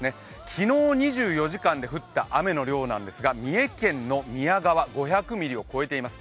昨日２４時間で降った雨の量なんですが三重県の宮川、５００ミリを超えています。